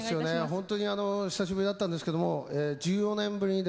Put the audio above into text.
本当にあの久しぶりだったんですけども１４年ぶりにですね